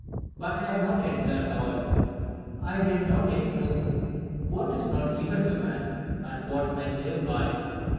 But I had not yet learnt all. I did not yet know What is not given to man, and What men live by.